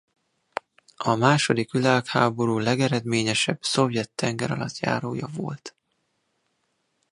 A második világháború legeredményesebb szovjet tengeralattjárója volt.